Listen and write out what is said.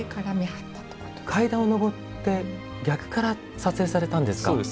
階段を上って逆から撮影されたんですね。